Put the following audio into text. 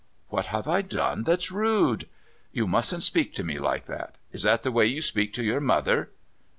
"What have I done that's rude?" "You mustn't speak to me like that. Is that the way you speak to your mother?"